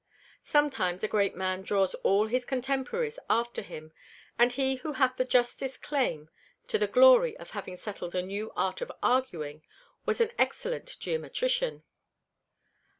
Sometimes a Great Man draws all his Cotemporaries after him; and he who hath the justest Claim to the Glory of having settled a new Art of Arguing, was an Excellent Geometrician.